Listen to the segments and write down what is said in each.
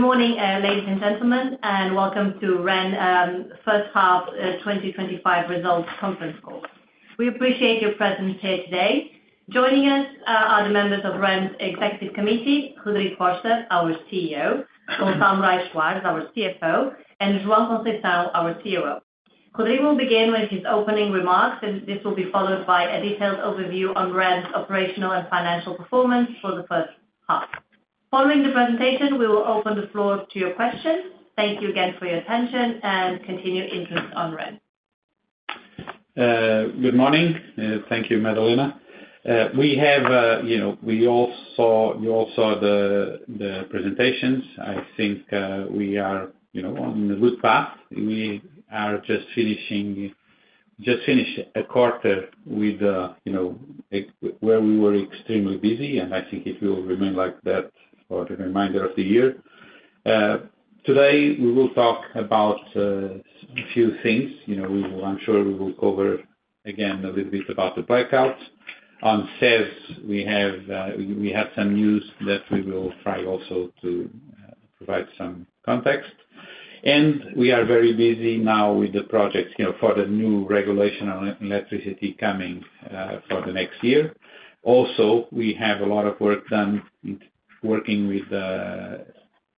Good morning ladies and gentlemen and welcome to REN first half 2025 results conference call. We appreciate your presence here today. Joining us are the members of REN's Executive Committee. Rodrigo Costa, our CEO, Gonçalo Morais Soares is our CFO, and João Conceição, our COO. Rodrigo will begin with his opening remarks and this will be followed by a detailed overview on REN's operational and financial performance for the first half. Following the presentation, we will open the floor to your questions. Thank you again for your attention and continued interest in REN. Good morning. Thank you, Madalena. We all saw the presentations. I think we are on the right path. We just finished a quarter where we were extremely busy, and I think it will remain like that for the remainder of the year. Today we will talk about a few things. I'm sure we will cover again a little bit about the blackout on sev. We had some news that we will. Try also to provide some context. We are very busy now with the projects for the new regulation on electricity coming for next year. Also, we have a lot of work done working with the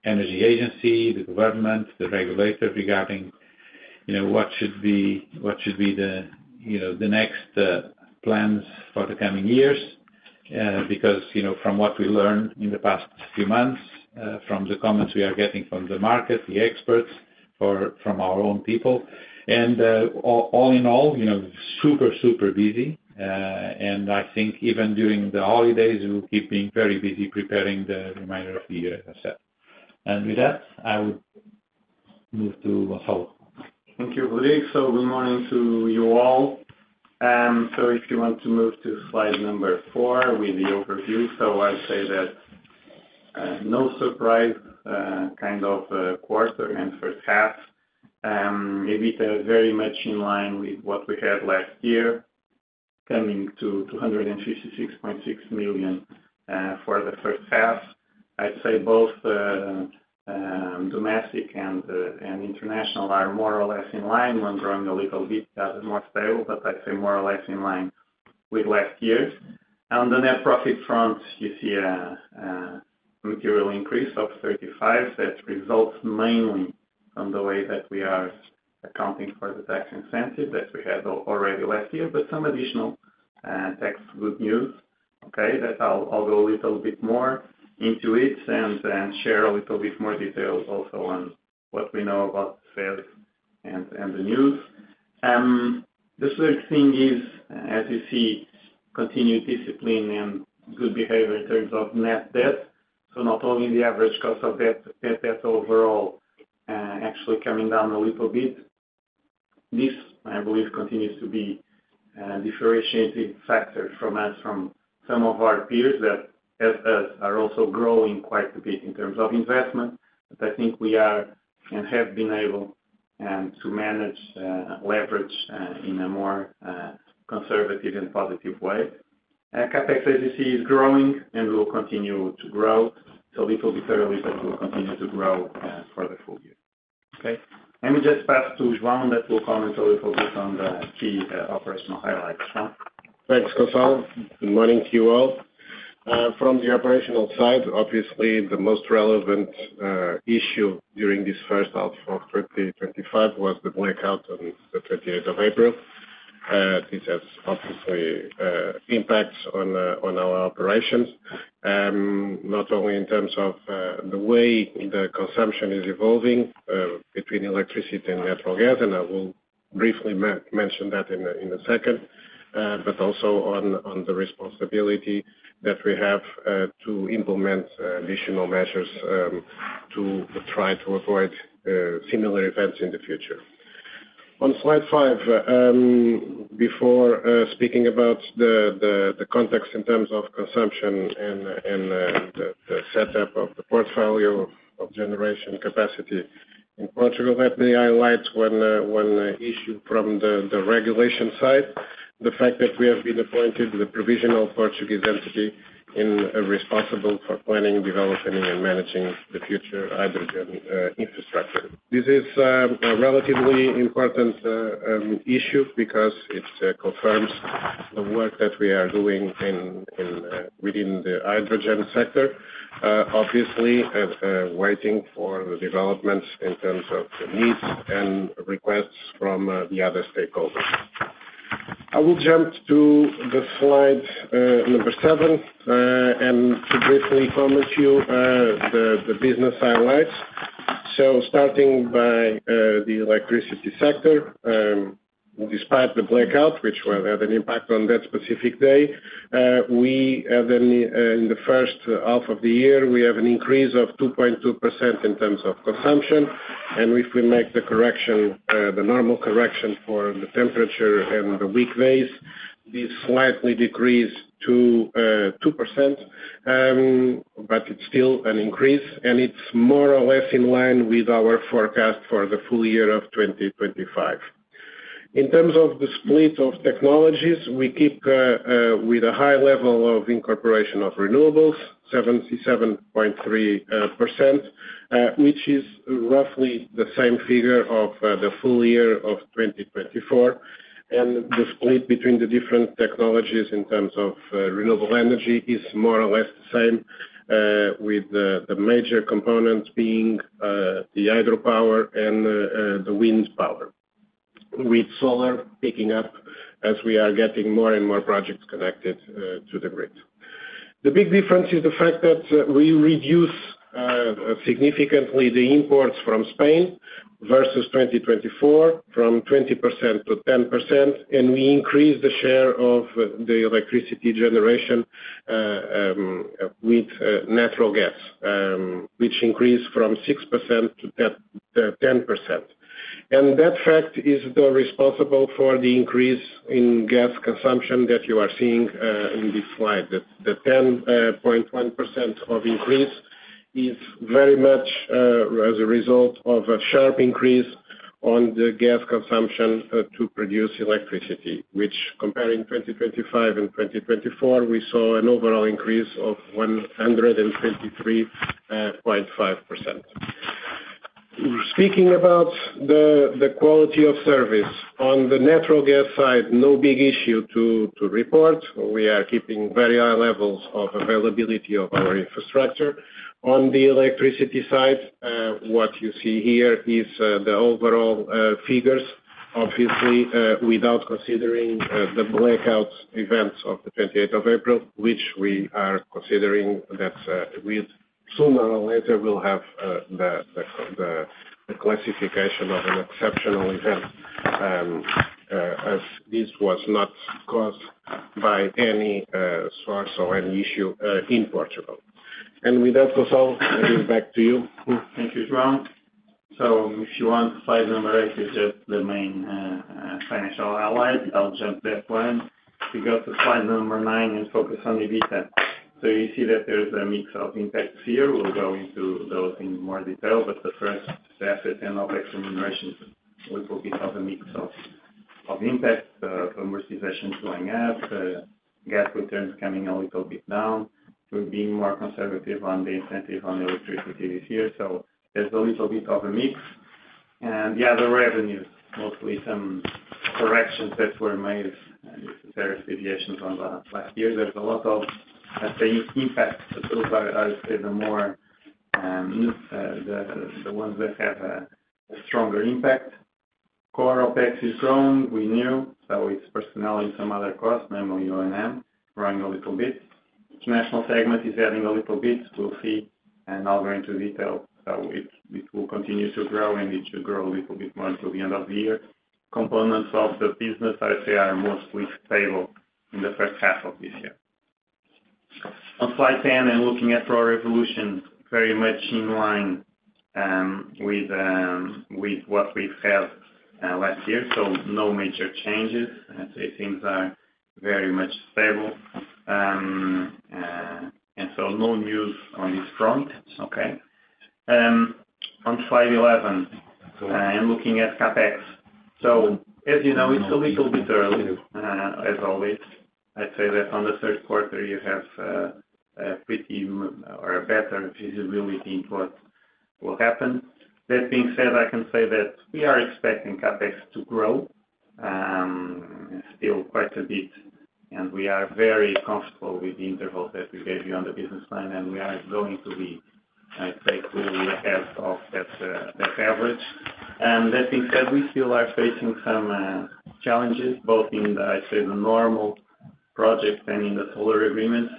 energy agency, the government, the regulator regarding what should be the next plans for the coming years. From what we learned in the past few months, from the comments we are getting from the market, the experts, or from our own people, all in all, super, super busy and I think even during the holidays we will keep being very busy preparing the remainder of the year, as I said. With that, I would move to thank you, Rodrigo. Good morning to you all. If you want to move to slide number four with the overview, I'd say that no surprise, kind of quarter and first half EBITDA very much in line with what we had last year, coming to €256.6 million for the first half. I'd say both domestic and international are more or less in line, one growing a little bit, more stable, but I'd say more or less in line with last year. On the net profit front, you see a material increase of 35% that results mainly on the way that we are accounting for the tax incentive that we had already last year, but some additional tax good news. I'll go a little bit more into it and share a little bit more details also on what we know about sales and the news. The third thing is, as you see, continued discipline and good behavior in terms of net debt. Not only the average cost of debt, net debt overall actually coming down a little bit. This, I believe, continues to be a differentiating factor for us from some of our peers that are also growing quite a bit in terms of investment. I think we are and have been able to manage leverage in a more conservative and positive way. CapEx, as you see, is growing and will continue to grow, so a little bit early, that will continue to grow for the full year. Let me just pass to João, that will comment a little bit on the key operational highlights. João, thanks, Gonçalo. Good morning to you all. From the operational side, obviously the most relevant issue during this first outflow of 2025 was the blackout on 28th April. This has obviously impacts on our operations, not only in terms of the way the consumption is evolving between electricity and natural gas, and I will briefly mention that in a second, but also on the responsibility that we have to implement additional measures to try to avoid similar events in the future. On slide 5, before speaking about the context in terms of consumption and setup of the portfolio of generation capacity in Portugal, let me highlight one issue from the regulation side. The fact that we have been appointed the provisional Portuguese entity responsible for planning, developing, and managing the future hydrogen infrastructure. This is a relatively important issue because it confirms the work that we are doing within the hydrogen sector. Obviously waiting for the developments in terms of needs and requests from the other stakeholders. I will jump to slide number seven and briefly comment you the business highlights. Starting by the electricity sector, despite the blackout which had an impact on that specific day, we in the first half of the year have an increase of 2.2% in terms of consumption and if we make the correction, the normal correction for the temperature and the weekdays, this slightly decreased to 2%, but it's still an increase and it's more or less in line with our forecast for the full year of 2025. In terms of the split of technologies, we keep with a high level of incorporation of renewables 77.3%, which is roughly the same figure of full year of 2024. The split between the different technologies in terms of renewable energy is more or less the same, with the major components being the hydropower and the wind power, with solar picking up as we are getting more and more projects connected to the grid. The big difference is the fact that we reduce significantly the imports from Spain versus 2024 from 20% to 10% and we increase the share of the electricity generation with natural gas, which increased from 6% to 10% and that fact is responsible for the increase in gas consumption that you are seeing in this slide. The 10.1% of increase is very much as a result of a sharp increase on the gas consumption to produce electricity, which comparing 2025 and 2024, we saw an overall increase of 123.5%. Speaking about the quality of service on the natural gas side, no big issue to report. We are keeping very high levels of availability of our infrastructure on the electricity side. What you see here is the overall figures, obviously without considering the blackout events of 28 April, which we are considering that sooner or later we'll have the classification of an exceptional event, as this was not caused by any source or any issue in Portugal. With that, Gonçalo, back to you. Thank you, João. If you want, slide number eight is just the main financial ally, I'll jump that one. We go to slide number nine and focus on EBITDA. You see that there's a mix of impacts here. We'll go into those in more detail. The first asset and OPEX remuneration, we focus on the mix of impact. Commercializations going up, gas returns coming a little bit down. We're being more conservative on the incentive on electricity this year. There's a little bit of a mix. The other revenues, mostly some corrections that were made. There's deviations on the last year. There's a lot of impact. The ones that have a stronger impact, Core OPEX is growing, renew, so it's personnel and some other costs, memory unmove, growing a little bit. International segment is adding a little bit. We'll see and I'll go into detail. It will continue to grow and it should grow a little bit more until the end of the year. Components of the business, I would say, are mostly stable in the first half of this year. On slide 10 and looking at our evolution, very much in line with what we've had last year. No major changes, things are very much stable and no news on this front. On slide 11, I'm looking at CapEx. As you know, it's a little bit early as always. I'd say that in the third quarter you have better visibility into what will happen. That being said, I can say that we are expecting CapEx to grow still quite a bit and we are very comfortable with the intervals that we gave you on the business plan. We are going to be, I think, ahead of that average. That being said, we still are facing some challenges both in, I'd say, the Normal project and in the solar agreements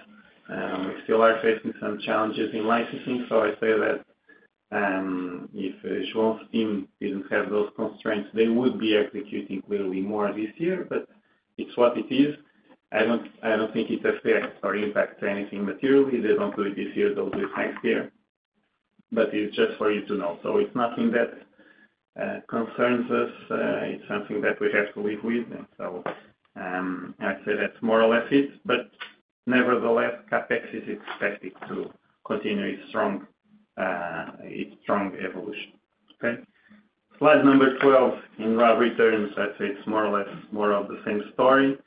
we still are facing some challenges in licensing. I'd say that if João's team didn't have those constraints, they would be executing clearly more this year. It's what it is. I don't think it affects or impacts anything materially. If they don't do it this year, they'll do it next year. It's just for you to know. It's nothing that concerns us, it's something that we have to live with. I'd say that's more or less it. Nevertheless, CapEx is expected to continue its strong evolution. Slide number 12, in raw returns, it's more or less more of the same story.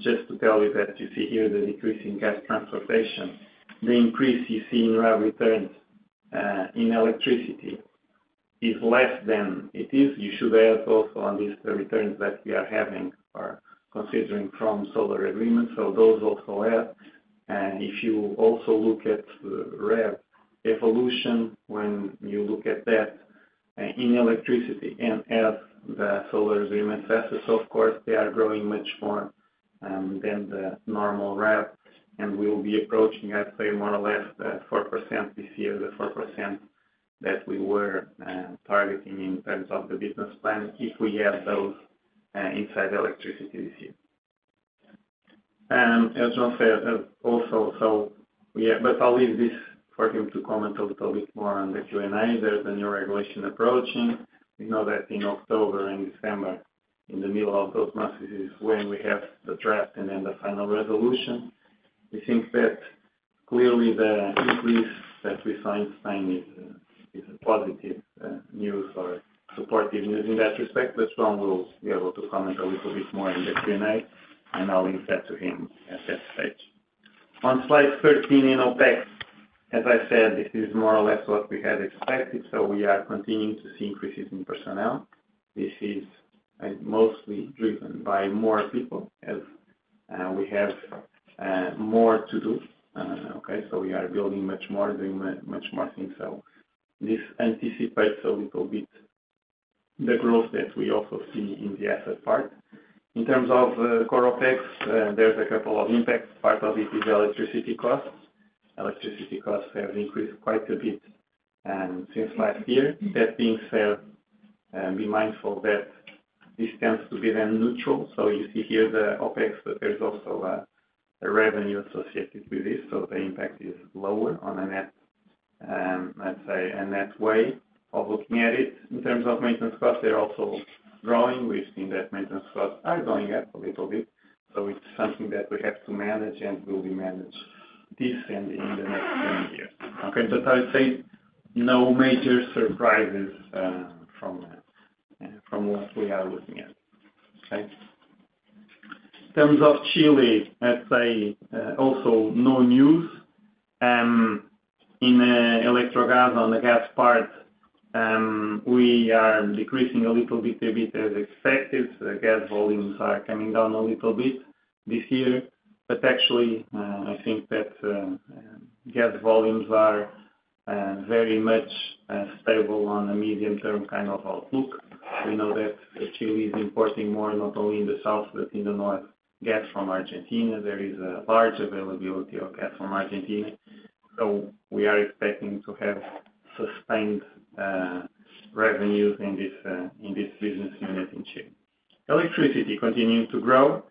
Just to tell you that you see here the decrease in gas transportation, the increase you see in raw returns in electricity is less than it is. You should add also on these returns that we are having or considering from solar agreements. Those also add. If you also look at evolution when you look at that in electricity and as the solar agreement says, of course they are growing much more than the normal rep and we will be approaching, I'd say, more or less 4% this year. The 4% that we were targeting in terms of the business plan if we add those inside electricity this year as João said also, but I'll leave this for him to comment a little bit more on the Q&A. There's a new regulation approaching. We know that in October and December, in the middle of those months, is when we have the draft and then the final resolution. We think that clearly the increase that we saw in sign is positive news or supportive news in that respect. João will be able to comment a little bit more in the Q&A and I'll link that to him at that stage. On Slide 13 in OpEx, as I said, this is more or less what we had expected. We are continuing to see increases in personnel. This is mostly driven by more people as we have more to do. We are building much more, doing much more things. This anticipates a little bit the growth that we also see in the asset part. In terms of core OpEx, there's a couple of impacts. Part of it is electricity costs. Electricity costs have increased quite a bit since last year. That being said, be mindful that this tends to be then neutral. You see here the OpEx, but there's also a revenue associated with this. The impact is lower on the net, a net way of looking at it. In terms of maintenance costs, they're also growing. We've seen that maintenance costs are going up a little bit. It's something that we have to manage and will be managed this and in the next 10 years. I would say no major surprises from what we are looking at. In terms of Chile, also no news in Electrogas on the gas part. We are decreasing a little bit as expected. Gas volumes are coming down a little bit this year. Actually, I think that gas volumes are very much stable on a medium-term kind of outlook. We know that Chile is importing more not only in the south, but in the north, gas from Argentina. There is a large availability of gas from Argentina. We are expecting to have sustained revenues in this business unit. In Chile, electricity continues to grow.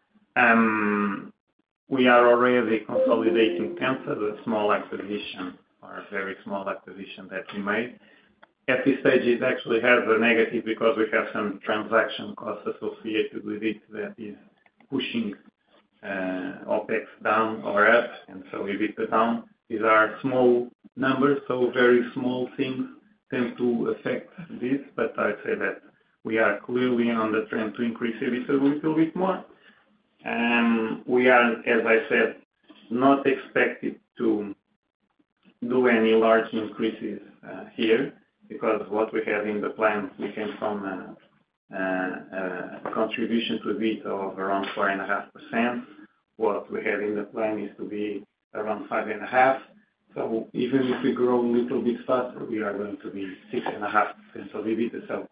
We are already consolidating Pensa. The small acquisition or very small acquisition that we made at this stage, it actually has a negative because we have some transaction costs associated with it that is pushing OpEx up, and so EBITDA down. These are small numbers. Very small things tend to affect this. I'd say that we are clearly on the trend to increase EBITDA a little bit more. We are, as I said, not expected to do any large increases here because what we have in the plan, we can come contribution to EBITDA of around 4.5%. What we have in the plan is to be around 5.5%. Even if we grow a little bit faster, we are going to be 6.5% of EBITDA.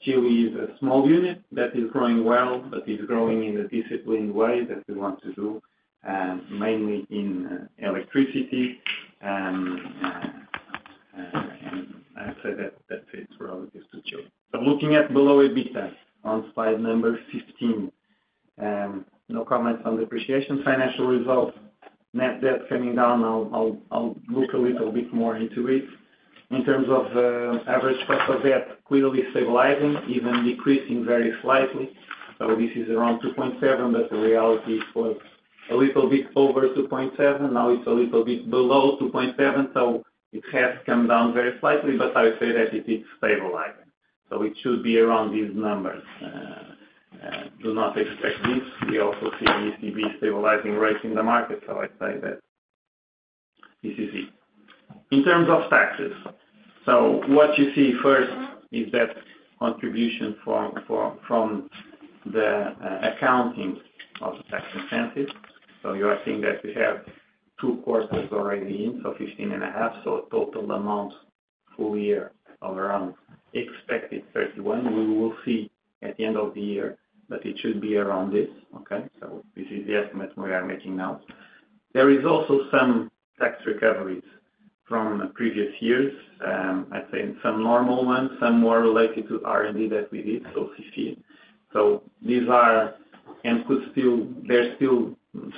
Chile is a small unit that is growing well, but is growing in a disciplined way that we want to do mainly in electricity. I said that it's relative to Chile. Looking at below EBITDA on slide number 15. No comments on depreciation. Financial results. Net debt coming down. I'll look a little bit more into it in terms of average cost of debt clearly stabilizing, even decreasing very slightly. This is around 2.7, but the reality was a little bit over 2.7. Now it's a little bit below 2.7. It has come down very slightly. I'd say that it is stabilizing. It should be around these numbers. Do not expect this. We also see ECB stabilizing rates in the market. I'd say that this is it in terms of taxes. What you see first is that contribution from the accounting of the tax incentives. You are seeing that we have two quarters already in, so 15.5. Total amount full year of around expected 31. We will see at the end of the year. It should be around this. This is the estimate we are making now. There is also some tax recoveries from previous years, I think some normal ones, some more related to R&D that we did. These are and could still, there's still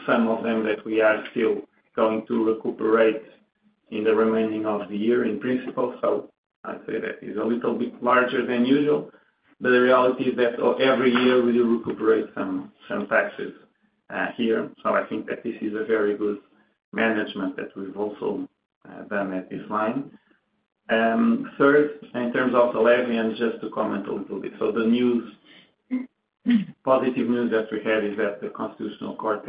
some of them that we are still going to recuperate in the remaining of the year in principle. I'd say that is a little bit larger than usual. The reality is that every year we recuperate some taxes here. I think that this is a very good management that we've also done at this line. Third, in terms of the levies, just to comment a little bit. The positive news that we had is that the Constitutional Court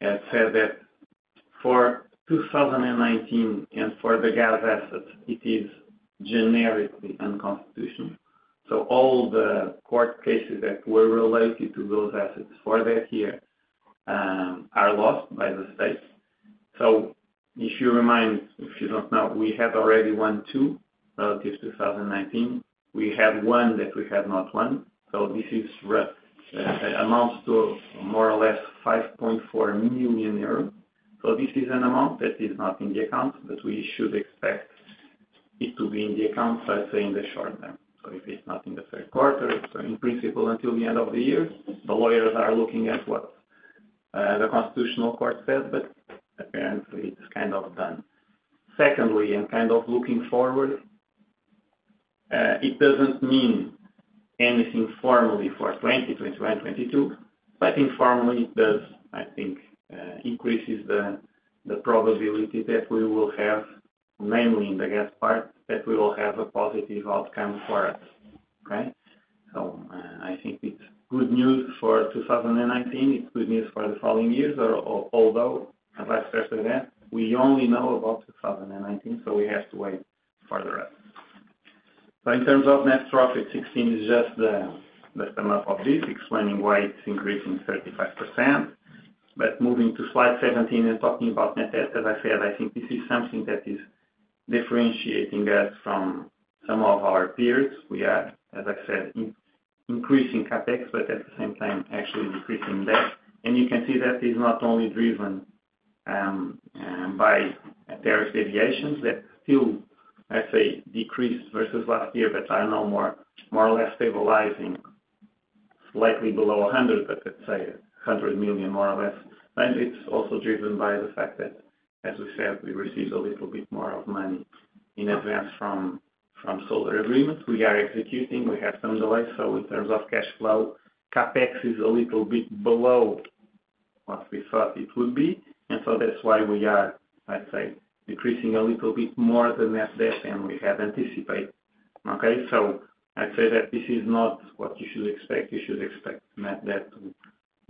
had said that for 2019 and for the gas assets it is generically unconstitutional. All the court cases that were related to those assets for that year are lost by the state. If you remind, if you don't know, we have already one, two relative 2019, we had one that we had not won. This amounts to more or less €5.4 million. This is an amount that is not in the account, but we should expect it to be in the account, let's say in the short term. If it's not in the third quarter, in principle until the end of the year the lawyers are looking at what the Constitutional Court said, but apparently it's kind of done. Secondly, and kind of looking forward, it doesn't mean anything formally for 2020, 2022, but informally it does. I think it increases the probability that we will have, mainly in the gas part, that we will have a positive outcome for us. I think it's good news for 2019, it's good news for the following years, although let's face that we only know about 2019, so we have to wait for the rest. In terms of net profit, 16 is just the sum up of this, explaining why it's increasing 35%. Moving to slide 17 and talking about net test, as I said, I think this is something that is differentiating us from some of our peers. We are, as I said, increasing CapEx but at the same time actually increasing debt. You can see that is not. Only driven. By tariff deviations that still, I say, decreased versus last year, but are now more or less stabilizing slightly below $100 million, but let's say $100 million more or less. It is also driven by the fact that, as we said, we received a little bit more money in advance from solar agreements. We are executing, we have some delays. In terms of cash flow, CapEx is a little bit below what we thought it would be. That's why we are, I'd say, decreasing a little bit more net debt than we had anticipated. I'd say that this is not what you should expect. You should expect net debt to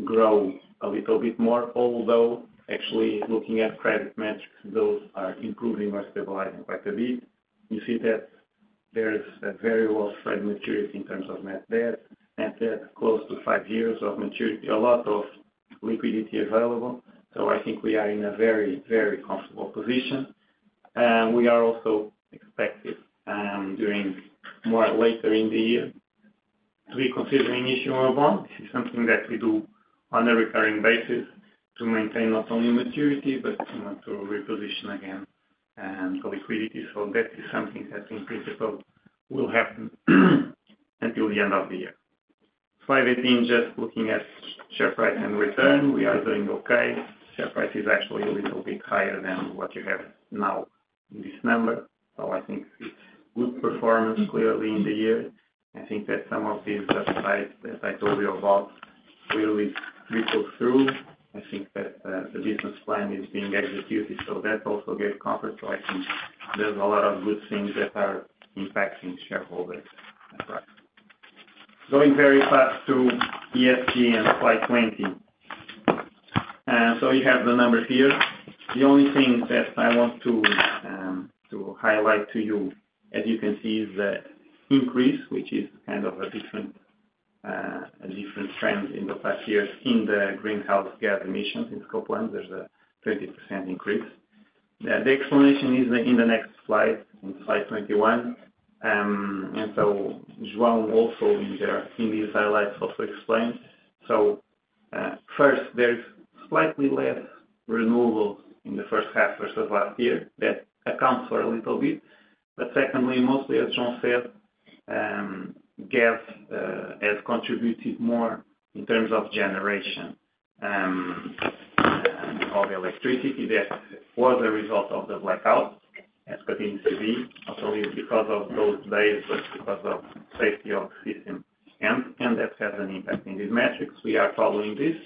grow a little bit more. Although actually, looking at credit metrics, those are improving or stabilizing quite a bit. You see that there is a very well spread maturity in terms of net debt. Net debt close to five years of maturity, a lot of liquidity available. I think we are in a very, very comfortable position. We are also expected during later in the year to be considering issuing a bond. This is something that we do on a recurring basis to maintain not only maturity but to reposition again and liquidity. That is something that in principle will happen until the end of the year. Slide 18. Just looking at share price and return, we are doing okay. Share price is actually a little bit higher than what you have now in December. I think good performance clearly in the year. I think that some of these upsides that I told you about, where we trickle through, I think that the business plan is being executed. That also gave comfort. I think there's a lot of good things that are impacting shareholders. Going very fast to ESG and slide 20. You have the number here. The only thing that I want to highlight to you, as you can see, the increase, which is kind of a different trend in the past years in the greenhouse gas emissions in Scope 1, there's a 30% increase. The explanation is in the next slide, in slide 21. João also in there in these highlights also explained. First, there's slightly less renewables in the first half versus last year. That accounts for a little bit. Secondly, mostly as Jean said, gas has contributed more in terms of generation of electricity. That was a result of the blackout, as continues to be because of those days, but because of safety of system. That has an impact in these metrics. We are following this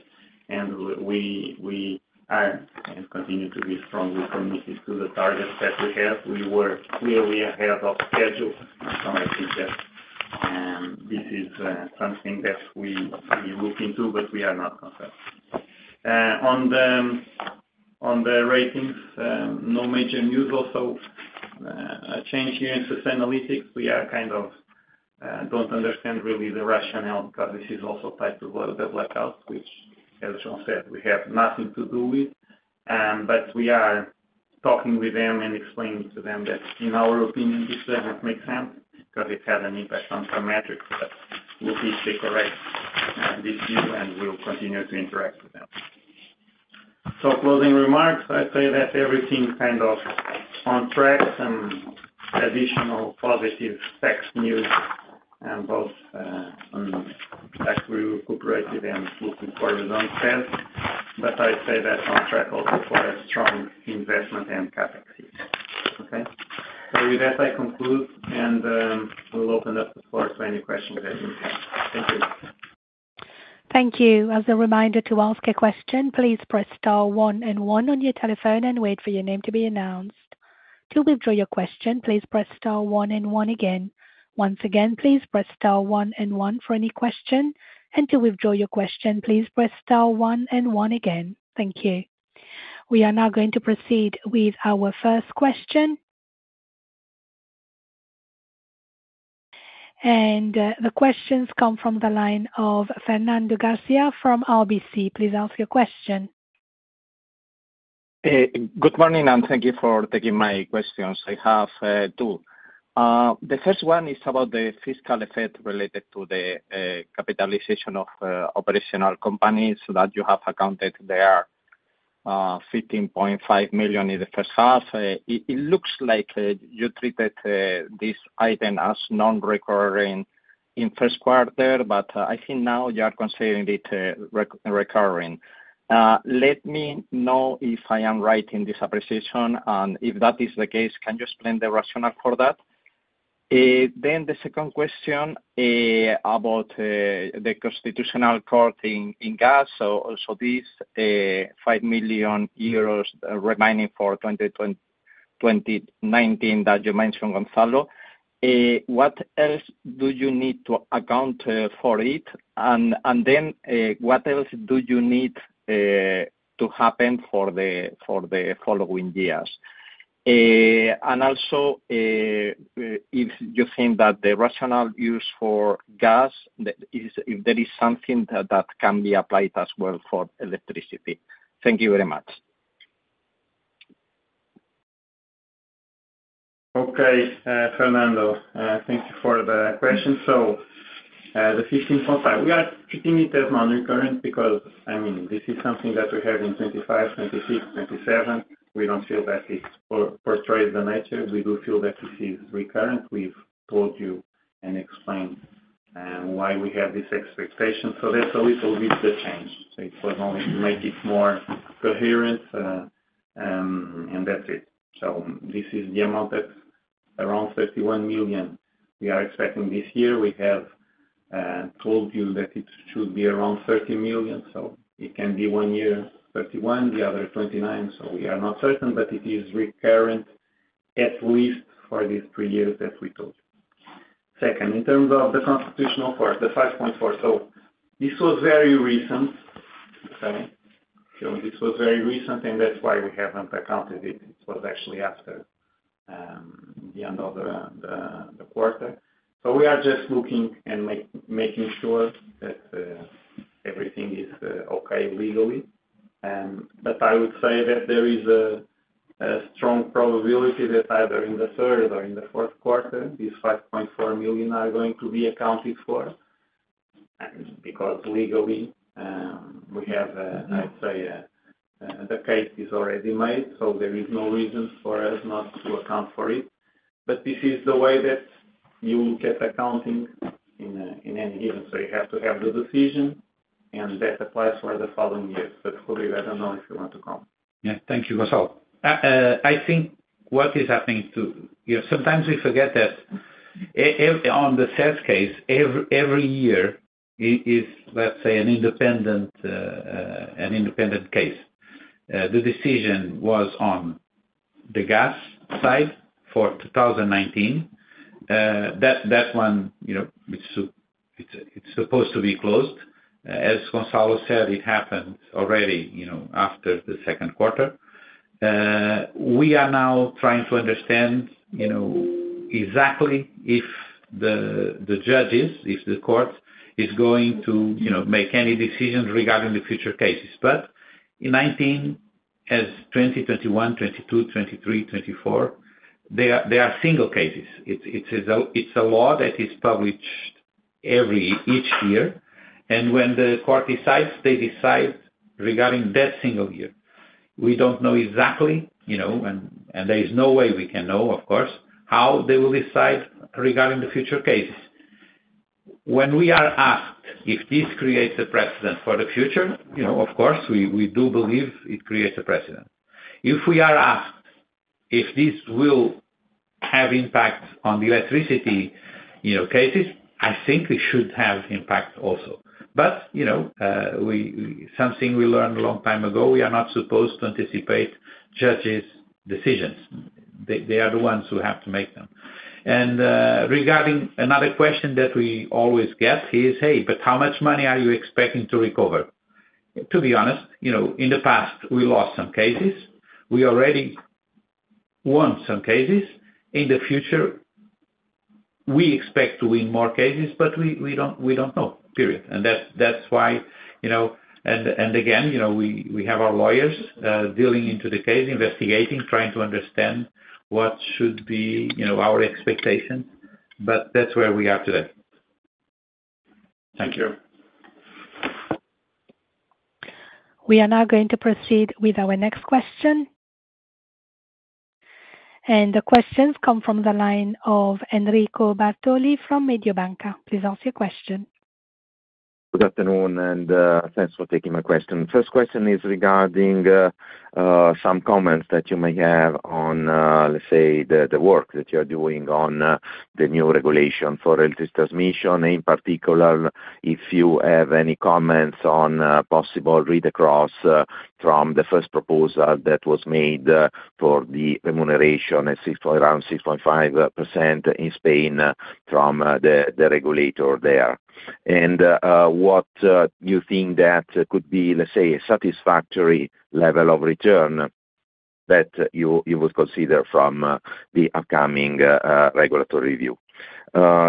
and we are and continue to be strongly committed to the targets that we have. We were clearly ahead of schedule. This is something that we look into, but we are not concerned on the ratings. No major news also change here in analytics. We kind of don't understand really the rationale because this is also tied to the blackout which, as Jean said, we have nothing to do with. We are talking with them and explaining to them that in our opinion this doesn't make sense because it had an impact on parametrics. We will correct this view and we'll continue to interact with them. Closing remarks, I say that everything kind of on track. Some additional positive tax news and both factory recuperated and looking forward. I say that on track also for a strong investment and CapEx. Okay, with that I conclude and we'll open up the floor to any questions that you have. Thank you. Thank you. As a reminder, to ask a question, please press star one and one on your telephone and wait for your name to be announced. To withdraw your question, please press star one and one again. Once again, please press star one and one for any question. To withdraw your question, please press star one and one again. Thank you. We are now going to proceed with our first question and the questions come from the line of Fernando Garcia from RBC. Please ask your question. Good morning and thank you for taking my questions. I have two. The first one is about the fiscal effect related to the capitalization of operational companies that you have accounted their €15.5 million in the first half. It looks like you treated this item as non-recurring in first quarter, but I think now you are considering it recurring. Let me know if I am right in this appreciation, and if that is the case, can you explain the rationale for that? The second question is about the Constitutional Court in Gaza, also this €5 million revenue mining for 2019 that you mentioned, Gonçalo, what else do you need to account for it? What else do you need to happen for the following years? Also, if you think that the rational use for gas is if there is something that can be applied as well for electricity. Thank you very much. Okay, Fernando, thank you for the question. The 15.5, we are treating it as more to current because this is something that we have in 2025, 2026, 2027. We don't feel that it portrays the nature. We do feel that this is recurrent. We've told you and explained why we have this expectation. That's a little bit changed. It was only to make it more coherent and that's it. This is the amount that's around €31 million we are expecting this year. We have told you that it should be around €30 million. It can be one year €31 million, the other €29 million. We are not certain. It is recurrent at least for these three years that we told you. Second, in terms of the constitutional for the 5.4. This was very recent. This was very recent and that's why we haven't accounted it. It was actually after the end of the quarter. We are just looking and making sure that everything is okay legally. I would say that there is a strong probability that either in the third or in the fourth quarter, these €5.4 million are going to be accounted for because legally we have. I'd say the case is already made, there is no reason for us not to account for it. This is the way that you look at accounting in any given. You have to have the decision and that applies for the following years. Jul, I don't know if you want to come. Yeah. Thank you. I think what is happening, you know, sometimes we forget that on the sales case every year is, let's say, an independent case. The decision was on the gas side for 2019. That one, you know, it's supposed to be closed, as Gonçalo Morais Soares said, it happened already, you know, after the second quarter. We are now trying to understand exactly if the judges, if the court is going to make any decisions regarding the future cases. In 2019, as 2020, 2021, 2022, 2023, 2024, they are single cases. It's a law that is published each year and when the court decides, they decide regarding that single year. We don't know exactly, and there is no way we can know, of course, how they will decide regarding the future cases. When we are asked if this creates a precedent for the future, you know, of course we do believe it creates a precedent. If we are asked if this will have impact on the electricity cases, I think it should have impact also. You know, something we learned a long time ago, we are not supposed to anticipate judges' decisions, they are the ones who have to make them. Regarding another question that we always get, hey, but how much money are you expecting to recover? To be honest, you know, in the past we lost some cases, we already won some cases. In the future we expect to win more cases, but we don't know, period. That's why, you know, we have our lawyers dealing into the case, investigating, trying to understand what should be our expectations, but that's where we are today. Thank you. We are now going to proceed with our next question. The questions come from the line of Enrico Bartoli from Mediobanca. Please ask your question. Good afternoon and thanks for taking my question. First question is regarding some comments that you may have on, say, the work that you're doing on the new regulation for relative transmission. In particular, if you have any comments on possible read across from the first proposal that was made for the remuneration around 6.5% in Spain from the regulator there and what you think that could be, let's say, a satisfactory level of return that you would consider from the upcoming regulatory review.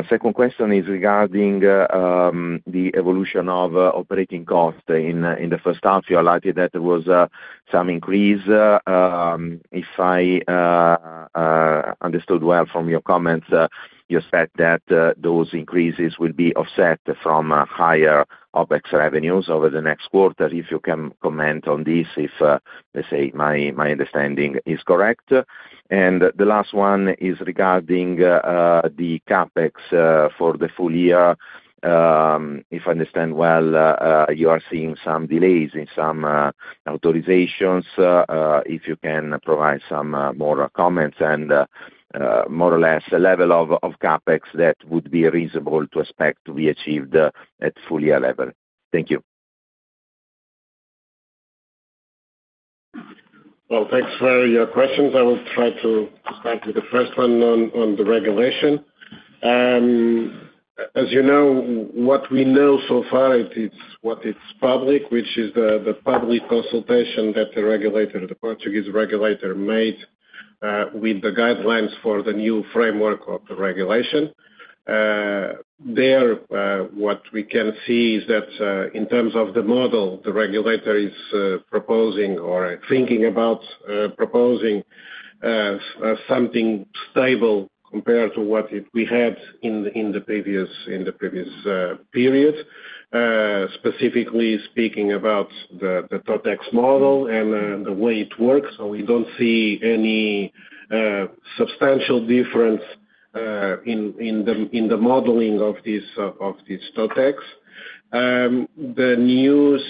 Second question is regarding the evolution of operating cost. In the first half you highlighted that there was some increase. If I understood well from your comments, you said that those increases will be offset from higher OPEX revenues over the next quarter. If you can comment on this, if let's say my understanding is correct, and the last one is regarding the CapEx for the full year. If I understand well, you are seeing some delays in some authorizations. If you can provide some more comments and more or less a level of CapEx that would be reasonable to expect to be achieved at full year level. Thank you. Thank you for your questions. I will try to start with the first one on the regulation. As you know, what we know so far is what is public, which is the public consultation that the Portuguese regulator made with the guidelines for the new framework of the regulation. There. What we can see is that in terms of the model the regulator is proposing or thinking about proposing something stable compared to what we had in the previous period. Specifically speaking about the totex model and the way it works, we don't see any substantial difference in the modeling of these totex. The news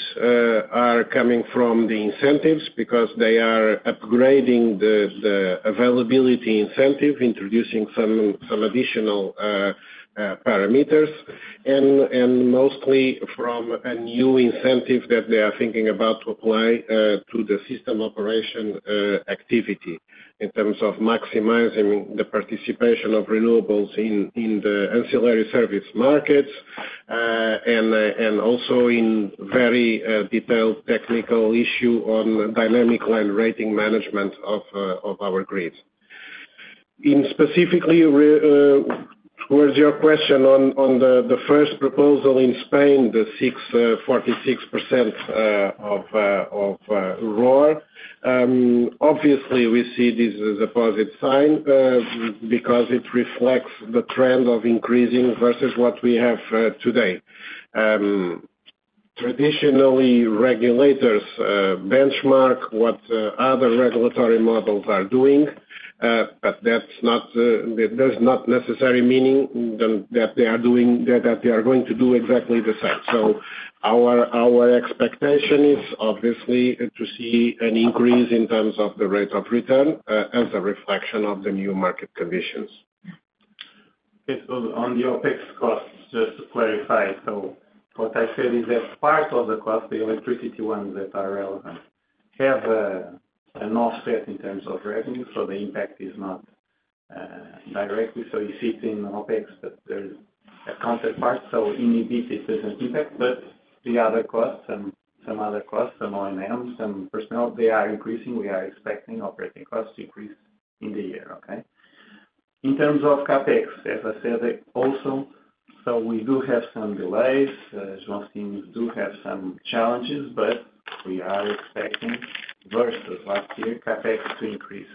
are coming from the incentives because they are upgrading the availability incentive, introducing some additional parameters, and mostly from a new incentive that they are thinking about to apply to the system operation activity in terms of maximizing the participation of renewables in the ancillary service markets. Also, in a very detailed technical issue on dynamic line rating management of our grids, specifically where's your question on the first proposal in Spain, the 6.46% of ROAR, obviously we see this as a positive sign because it reflects the trend of increasing versus what we have today. Traditionally, regulators benchmark what other regulatory models are doing, but that's not necessarily meaning that they are going to do exactly the same. Our expectation is obviously to see an increase in terms of the rate of return as a reflection of the new market conditions. On the OpEx costs. Just to clarify, what I said is that part of the cost, the electricity ones that are relevant, have an offset in terms of revenue. The impact is not directly, so you see it in OpEx, but there is a counterpart. In EBITDA it doesn't impact, but the other costs and some other costs, some O&M, some personnel, they are increasing. We are expecting operating costs decreasing in the year. In terms of CapEx, as I said also, we do have some delays. João's teams do have some challenges, but we are expecting versus last year CapEx to increase.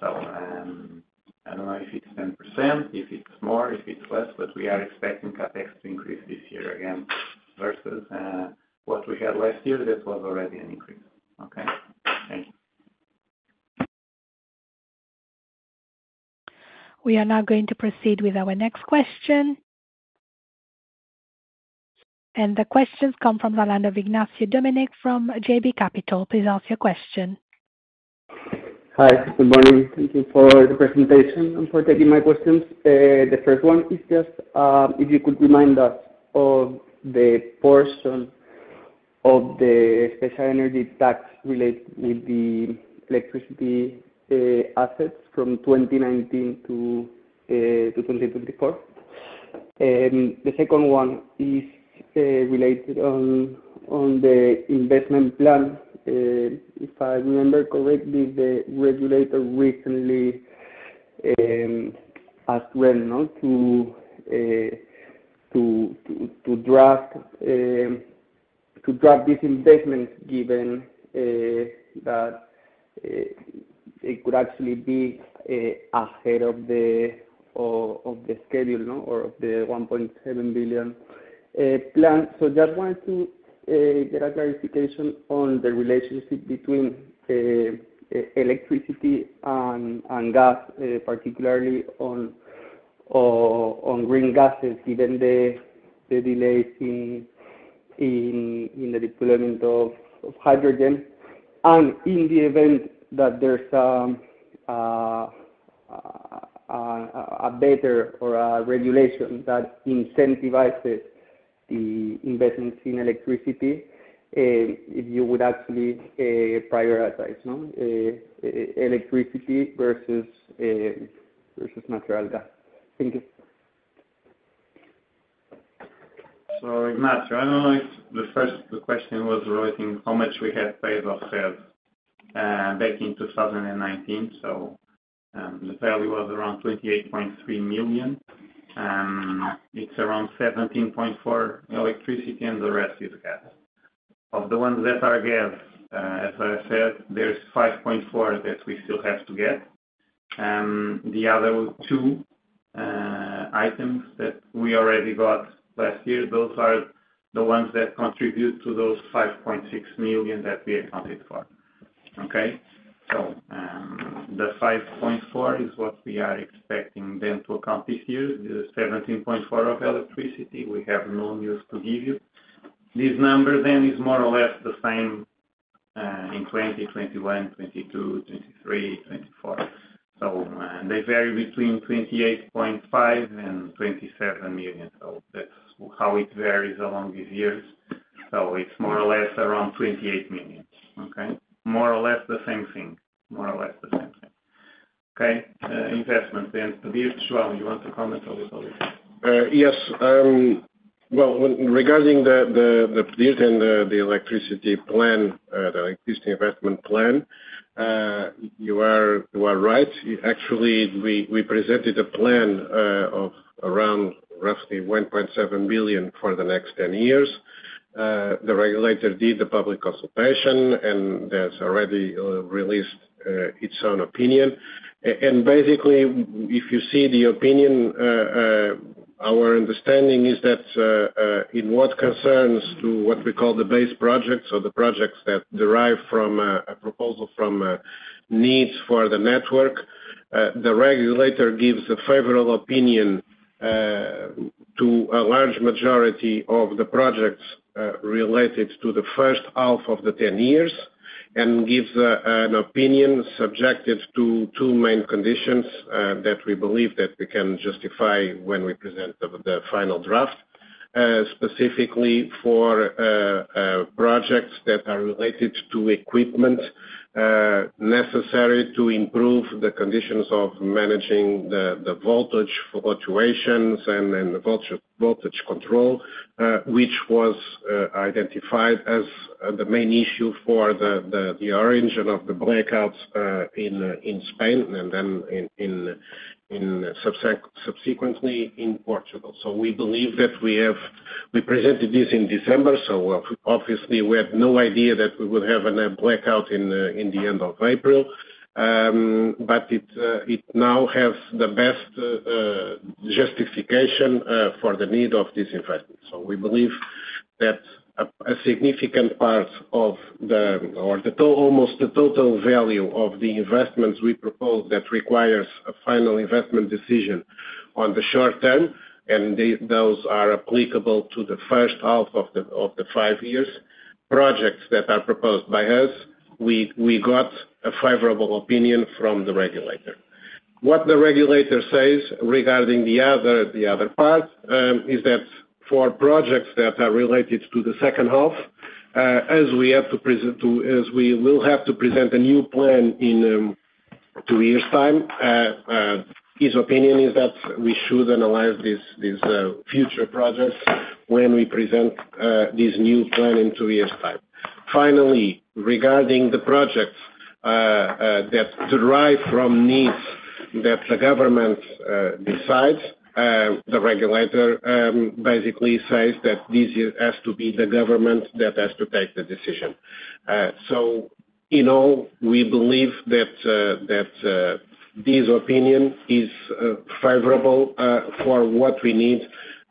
I don't know if it's 10%, if it's more, if it's less, but we are expecting CapEx to increase this year again versus what we had last year. This was already an increase. Thank you. We are now going to proceed with our next question. The questions come from the line of Ignacio Dominic from JB Capital. Please ask your question. Hi, good morning. Thank you for the presentation and for taking my questions. The first one is just if you could remind us of the portion of the special energy tax related with the electricity assets from 2019 to 2024. The second one is related on the investment plan. If I remember correctly, the regulator recently asked REN to draft these investments given that it could actually be ahead of the schedule or of the €1.7 billion plan. I just wanted to get a clarification on the relationship between electricity and gas, particularly on green gases, given the delays in the deployment of hydrogen. In the event that there's. A. Better or a regulation that incentivizes the investments in electricity, you would actually prioritize. Electricity versus natural gas. Thank you. Ignatio, I don't know. The first question was how much we had paid off back in 2019. The value was around €28.3 million. It's around €17.4 million electricity and the rest is gas. Of the ones that are gas, as I said, there's €5.4 million that we still have to get. The other two items that we already got last year, those are the ones that contribute to those €5.6 million that we accounted for. The €5.4 million is what we are expecting them to account this year. The €17.4 million of electricity, we have no news to give you. This number then is more or less the same in 2021, 2022, 2023, 2024. They vary between €28.5 million and €27 million. That's how it varies along these years. It's more or less around €28 million. More or less the same thing. More or less the same thing. Investment. Sabir Shram, you want to comment on this? On this? Yes. Regarding the electricity plan, the investment plan, you are right. Actually, we presented a plan of around roughly €1.7 billion for the next 10 years. The regulator did the public consultation and has already released its own opinion. Basically, if you see the opinion, our understanding is that in what concerns to what we call the base projects or the projects that derive from a proposal from needs for the network, the regulator gives a favorable opinion to a large majority of the projects related to the first half of the 10 years and gives an opinion subjected to two main conditions that we believe that we can justify when we present the final draft, specifically for projects that are related to equipment necessary to improve the conditions of managing the voltage fluctuations and the voltage control, which was identified as the main issue for the origin of the breakouts in Spain and then subsequently in Portugal. We presented this in December. Obviously, we had no idea that we would have a blackout at the end of April, but it now has the best justification for the need of this investment. We believe that a significant part of, or almost the total value of, the investments we propose that requires a final investment decision in the short term, and those are applicable to the first half of the five years projects that are proposed by us, we got a favorable opinion from the regulator. What the regulator says regarding the other part is that for projects that are related to the second half, as we will have to present a new plan in two years' time, his opinion is that we should analyze these future projects when we present this new plan in two years' time. Finally, regarding the projects that derive from needs that the government decides, the regulator basically says that this has to be the government that has to take the decision. In all, we believe that this opinion is favorable for what we need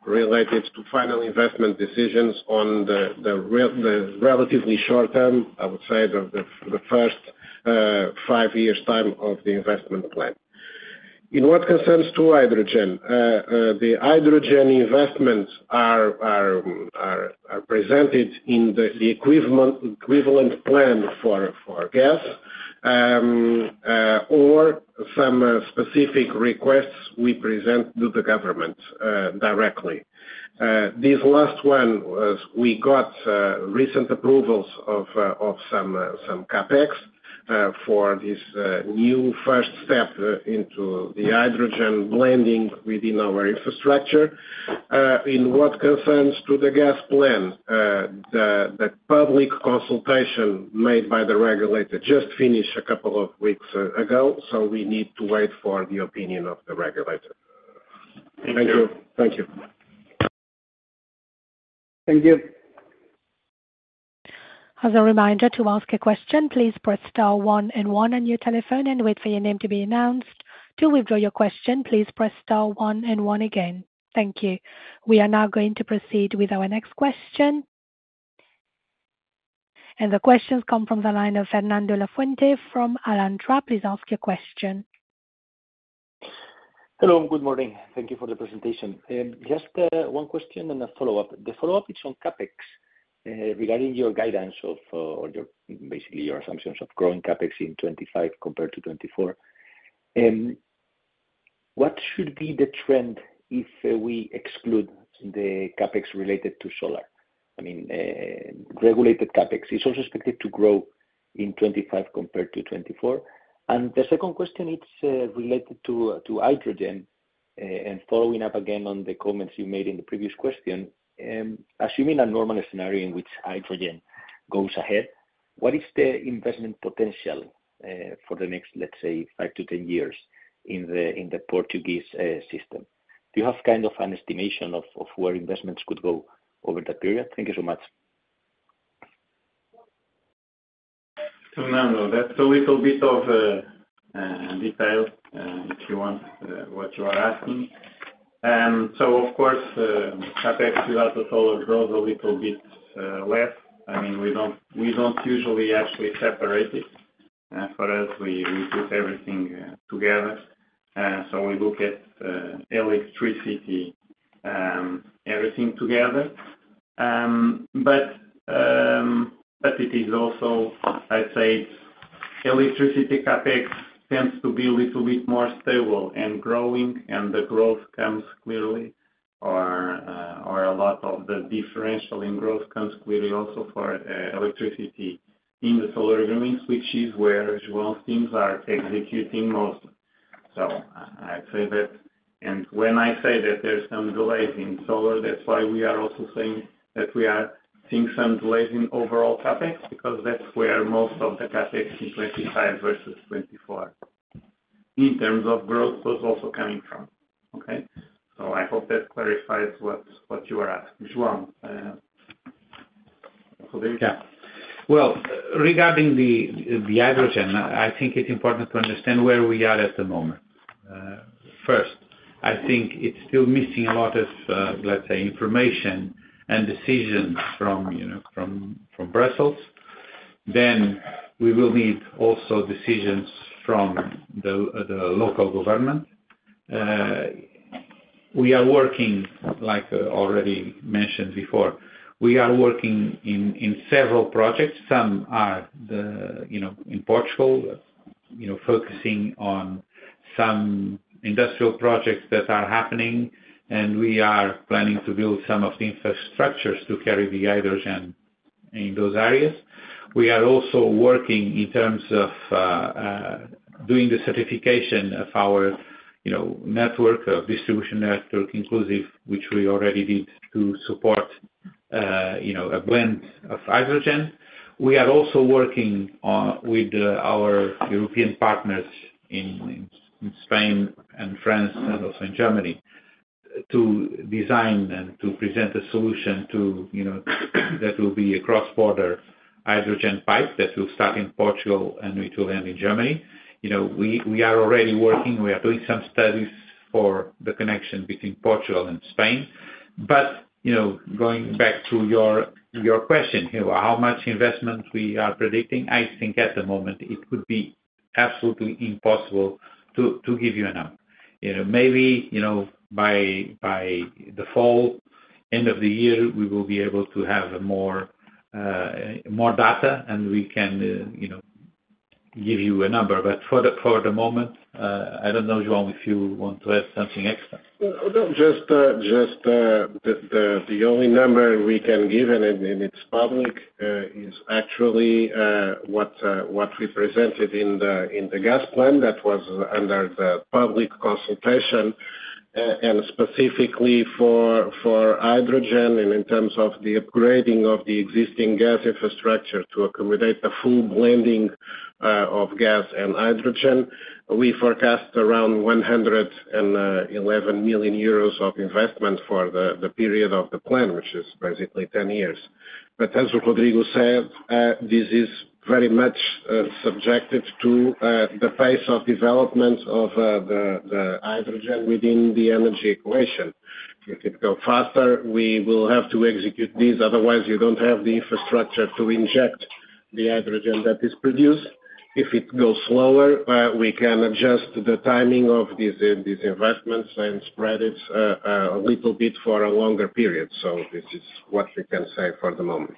related to final investment decisions on the relatively short term. I would say the first five years' time of the investment plan. In what concerns to hydrogen, the hydrogen investments are presented in the equivalent plan for. Gas. Or some specific requests we present to the government directly. This last one, we got recent approvals of some CapEx for this new first step into the hydrogen blending within our infrastructure. In what concerns to the gas plan, the public consultation made by the regulator just finished a couple of weeks ago. We need to wait for the opinion of the regulator. Thank you. Thank you. Thank you. As a reminder to ask a question, please press star one and one on your telephone and wait for your name to be announced. To withdraw your question, please press star one and one again. Thank you. We are now going to proceed with our next question. The questions come from the line of Fernando La Fuente from Alantra. Please ask your question. Hello, good morning. Thank you for the presentation. Just one question and a follow-up. The follow-up is on CapEx regarding your guidance or basically your assumptions. Of growing CapEx in 2025 compared to 2024. What should be the trend if we. Exclude the CapEx related to solar? Regulated CapEx is also expected to grow in 2025 compared to 2024. The second question is related to hydrogen. Following up again on the comments you made in the previous question, assuming a normal scenario in which hydrogen goes ahead, what is the investment potential for the next, let's say, five to ten years in the Portuguese system? Do you have kind of an estimation? Of where investments could go over the period? Thank you so much. No, no, that's a little bit of detail if you want what you are asking. Of course, CapEx at the solar grows a little bit. I mean we don't, we don't usually actually separate it. For us, we put everything together. We look at electricity, everything together. It is also, I say, electricity CapEx tends to be a little bit more stable and growing, and the growth comes clearly, or a lot of the differential in growth, consequently also for electricity in the solar green, which is where João's teams are executing most. I say that, and when I say that there's some delays in solar, that's why we are also saying that we are seeing some delays in overall CapEx because that's where most of the CapEx in 2025 versus 2024 in terms of growth was also coming from. I hope that clarifies what you are asking, João. Regarding the hydrogen, I think it's important to understand where we are at the moment. First, I think it's still missing a lot of, let's say, information and decisions from Brussels. Then we will need also decisions from the local government. We are working, like already mentioned before, we are working in several projects. Some are in Portugal focusing on some industrial projects that are happening and we are planning to build some of the infrastructures to carry the hydrogen in those areas. We are also working in terms of doing the certification of our network, of distribution network inclusive, which we already did to support a blend of hydrogen. We are also working with our European partners in Spain and France and also in Germany to design and to present a solution that will be a cross border hydrogen pipe that will start in Portugal and it will end in Germany. You know, we are already working, we are doing some studies for the connection between Portugal and Spain. Going back to your question, how much investment we are predicting, I think at the moment it would be absolutely impossible to give you a number. Maybe, you know, by the fall end of the year we will be able to have more data and we can give you a number. For the moment, I don't know, João, if you want to add something. Extra, just the only number we can give, and it's public, is actually what we presented in the gas plan that was under the public consultation and specifically for hydrogen. In terms of the upgrading of the existing gas infrastructure to accommodate the full blending of gas and hydrogen, we forecast around €111 million of investment for the period of the plan, which is basically 10 years. As Rodrigo said, this is very much subjective to the pace of development of the hydrogen within the energy economy equation. If it goes faster, we will have to execute this, otherwise you don't have the infrastructure to inject the hydrogen that is produced. If it goes slower, we can adjust the timing of these investments and spread it a little bit for a longer period. This is what we can say for the moment.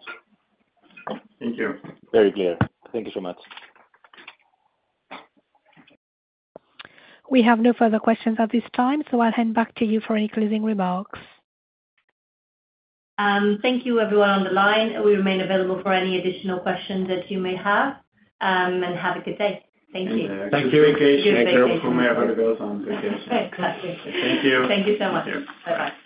Thank you. Very clear. Thank you so much. We have no further questions at this time. I'll hand back to you for any closing remarks. Thank you everyone on the line. We remain available for any additional questions that you may have. Have a good day. Thank you. Thank you. In case. Thank you. Thank you so much.